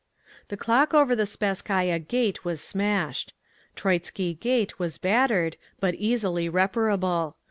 The clock over the Spasskaya Gate was smashed. Troitsky Gate was battered, but easily reparable.